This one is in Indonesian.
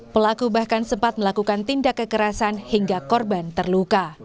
pelaku bahkan sempat melakukan tindak kekerasan hingga korban terluka